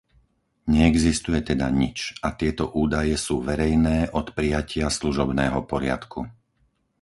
Neexistuje teda nič - a tieto údaje sú verejné od prijatia služobného poriadku.